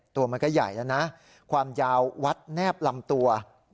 ตัวมันก็ใหญ่แล้วนะความยาววัดแนบลำตัว